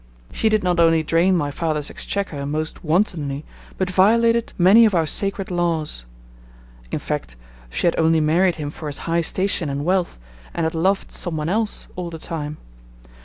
She did not only drain my father's exchequer most wantonly, but violated many of our sacred laws; in fact, she had only married him for his high station and wealth, and had loved some one else all the time.